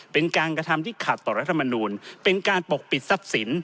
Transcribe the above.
เป็นการกระทำที่ขัดต่อรัฐมนูลเป็นการปกปิดทรัพย์สิน